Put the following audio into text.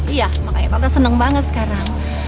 iya makanya tante seneng banget sekarang